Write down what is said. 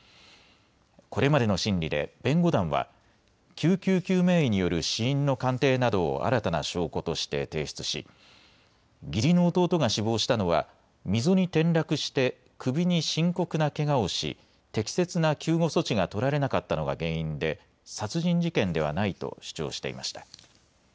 これまでの審理で弁護団は救急救命医による死因の鑑定などを新たな証拠として提出し義理の弟が死亡したのは溝に転落して首に深刻なけがをし、適切な救護措置が取られなかったのが原因で殺人事件ではないと主張していました。